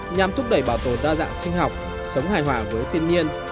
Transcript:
nhằm thúc đẩy bảo tồn đa dạng sinh học sống hài hòa với thiên nhiên